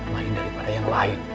lain daripada yang lain